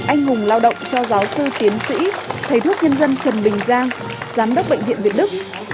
anh hùng lao động cho giáo sư tiến sĩ thầy thuốc nhân dân trần bình giang giám đốc bệnh viện việt đức